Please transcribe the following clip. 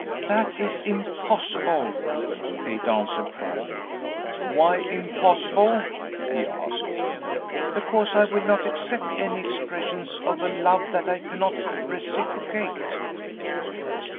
"That is impossible," Kate answered, firmly. "Why impossible?" he asked. "Because I will not accept any expressions of a love that I cannot reciprocate."